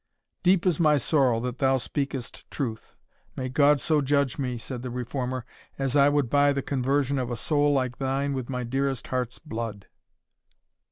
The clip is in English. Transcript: "Deep is my sorrow that thou speakest truth. May God so judge me," said the Reformer, "as I would buy the conversion of a soul like thine with my dearest heart's blood."